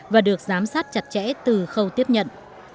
và được giám sát chặt chẽ từ khâu tiếp nhận